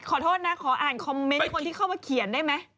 ขอโทษนะขออ่านคอมเมนต์คนที่เข้ามาเขียนได้ไหม